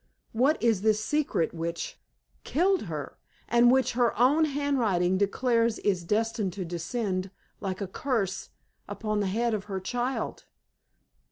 What is this secret which killed her, and which her own handwriting declares is destined to descend, like a curse, upon the head of her child?